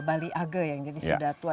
bali age yang jadi sudah tua